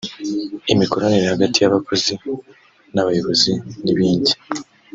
imikoranire hagati y’abakozi n’abayobozi n’ibindi